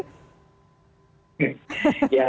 ya karena sekarang